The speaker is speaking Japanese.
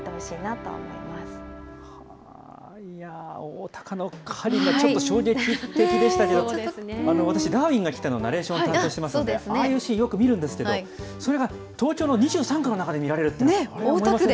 オオタカの狩り、ちょっと衝撃的でしたけど、私、ダーウィンが来たのナレーションを担当してますんで、ああいうシーン、よく見るんですけれども、それが東京の２３区の中で見られるって大田区で。